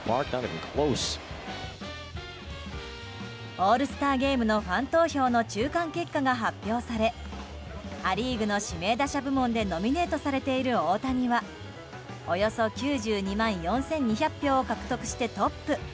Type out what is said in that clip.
オールスターゲームのファン投票の中間結果が発表されア・リーグの指名打者部門でノミネートされている大谷はおよそ９２万４２００票を獲得してトップ。